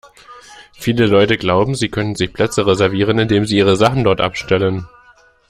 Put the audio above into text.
Viele Leute glauben, sie könnten sich Plätze reservieren, indem sie ihre Sachen dort abstellen.